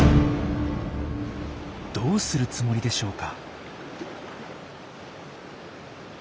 どうするつもりでしょうか？